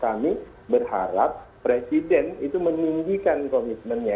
kami berharap presiden itu meninggikan komitmennya